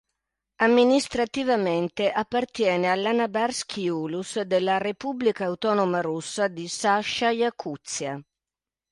Amministrativamente appartiene all'Anabarskij ulus della repubblica autonoma russa di Sacha-Jacuzia.